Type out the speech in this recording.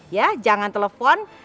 ya jangan telfon